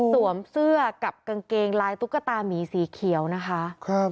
สวมเสื้อกับกางเกงลายตุ๊กตามีสีเขียวนะคะครับ